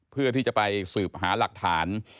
เพื่อที่จะไปสืบหาหลักฐาน